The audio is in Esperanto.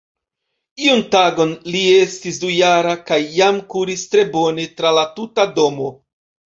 Iun tagon li estis dujara kaj jam kuris tre bone tra la tuta domo.